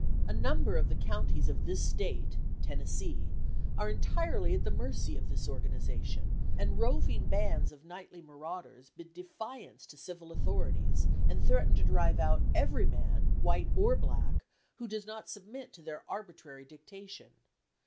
A number of the counties of this State (Tennessee) are entirely at the mercy of this organization, and roving bands of nightly marauders bid defiance to the civil authorities, and threaten to drive out every man, white or black, who does not submit to their arbitrary dictation.